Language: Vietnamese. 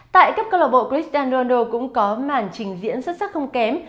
tại cấp cơ lộ bộ cristiano ronaldo cũng có màn trình diễn xuất sắc không kém